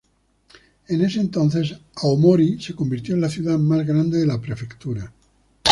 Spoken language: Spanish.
En ese entonces, Aomori se convirtió en la ciudad más grande de la prefectura.